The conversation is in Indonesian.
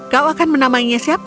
kau akan menamainya siapa